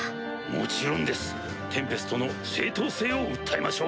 もちろんですテンペストの正当性を訴えましょう。